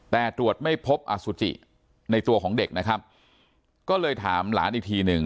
แต่ตรวจไม่พบอสุจิในตัวของเด็กนะครับก็เลยถามหลานอีกทีหนึ่ง